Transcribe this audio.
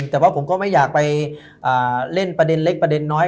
แต่ว่าผมก็ไม่อยากไปเล่นประเด็นนที่เล็กและหน่อย